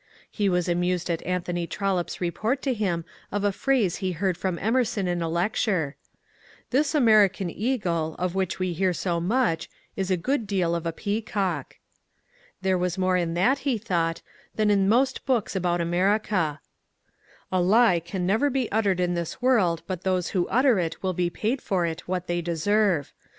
He was amused at Anthony TroUope^s report to him of a phrase he heard from Emerson in a lecture, —^ This American eagle, of which we hear so much, is a good deal of a peacock." There was more in that, he thought, than in most books about Amer ica. ^* A lie can never be uttered in this world but those who utter it will be paid for it what they deserve.